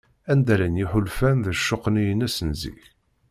Anda llan yiḥulfan d ccuq-nni-ines n zik?